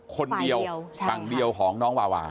คนเดียวฝั่งเดียวของน้องวาวา